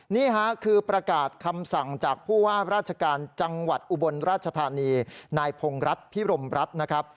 นี่ค่ะคือประกาศคำสั่งจากผู้ว่าราชการจังหวัดอุบลราชธานีนายพงรัฐพิรมรัฐนะครับ